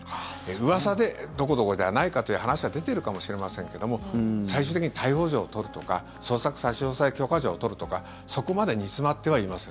うわさでどこどこではないかという話は出てるかもしれませんけども最終的に逮捕状を取るとか捜索差し押さえ許可状を取るとかそこまで煮詰まってはいません。